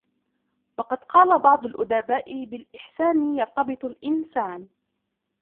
وَقَدْ قَالَ بَعْضُ الْأُدَبَاءِ بِالْإِحْسَانِ يَرْتَبِطُ الْإِنْسَانُ